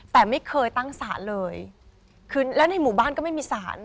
แต่ไม่เคยตั้งศาลเลยคือแล้วในหมู่บ้านก็ไม่มีศาล